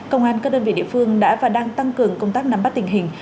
công an các đơn vị địa phương đã và đang tăng cường công tác nắm bắt tình hình